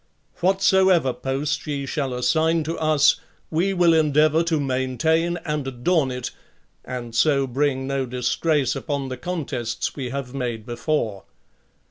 Whatsoever post ye shall assign to us, we will endeavour to main tain and adorn it, and so bring no disgrace upon the contests we have made before...